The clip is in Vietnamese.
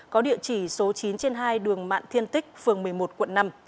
có địa chỉ số chín trên hai đường mạn thiên tích phường một mươi một quận năm